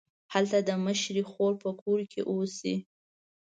هلته د مشرې خور په کور کې اوسي.